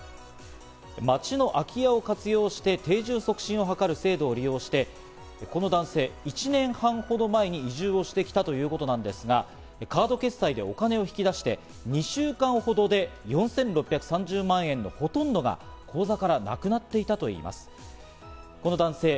町の空き家を活用して定住促進を図る制度を利用して、この男性、１年半ほど前に移住をしてきたということですが、カード決済でお金を引き出して、２週間ほどで４６３０万円のほとんどが、口座からなくなっていたといいます。